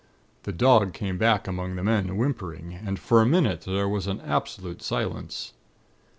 The dog came back among the men, whimpering, and for a minute there was an absolute silence.